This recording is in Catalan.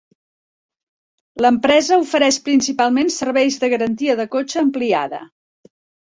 L'empresa ofereix principalment serveis de garantia de cotxe ampliada.